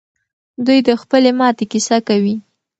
دوی د خپلې ماتې کیسه کوي.